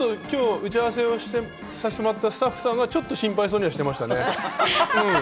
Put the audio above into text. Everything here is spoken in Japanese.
打ち合わせをさせてもらったスタッフさんが心配そうにはしていましたね。